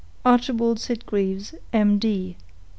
"ARCHIBALD SITGREAVES, M. D."